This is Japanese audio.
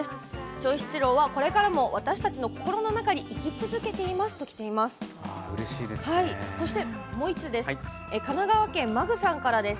長七郎はこれからも私たちの心の中に生き続けていますということです。